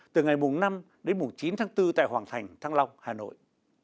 từ ngày năm đến chín tháng bốn tại hoàng thành thăng long hà nội